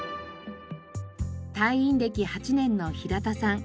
隊員歴８年の平田さん。